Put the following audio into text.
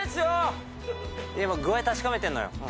今、具合確かめているのよ。